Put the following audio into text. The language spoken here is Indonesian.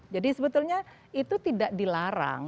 jadi sebetulnya itu tidak dilarang